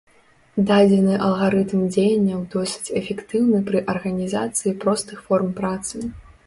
Дадзены алгарытм дзеянняў досыць эфектыўны пры арганізацыі простых форм працы.